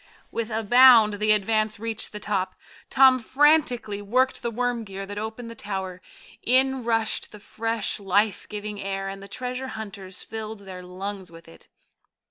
With a bound the Advance reached the top. Tom frantically worked the worm gear that opened the tower. In rushed the fresh, life giving air, and the treasure hunters filled their lungs with it.